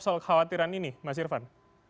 soal kekhawatiran ini mas irvan